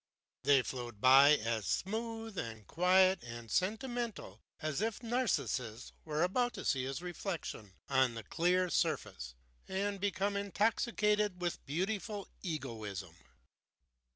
They flowed by as smooth and quiet and sentimental as if Narcissus were about to see his reflection on the clear surface and become intoxicated with beautiful egoism.